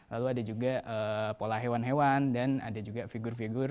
lalu ada juga pola hewan hewan dan ada juga figur figur